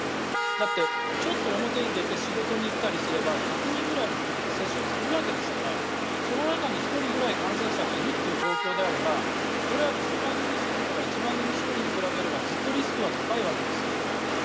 だって、ちょっと表に出て仕事に行ったりすれば１００人くらいの人とは接触するわけですからその中に１人ぐらい感染者がいるトウ状況ではこれは１０万人に１人とか１万人に１人とかに比べればずっとリスクは高いわけです。